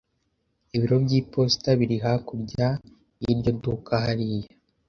Ibiro by'iposita biri hakurya y'iryo duka hariya.